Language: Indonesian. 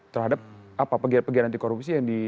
terhadap pegiat pegiat anti korupsi yang di